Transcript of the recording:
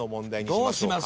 どうします？